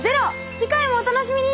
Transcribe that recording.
次回もお楽しみに！